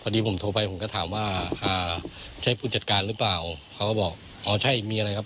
พอดีผมโทรไปผมก็ถามว่าอ่าใช่ผู้จัดการหรือเปล่าเขาก็บอกอ๋อใช่มีอะไรครับ